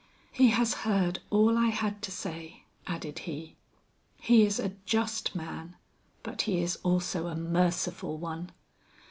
"He has heard all I had to say," added he; "he is a just man, but he is also a merciful one.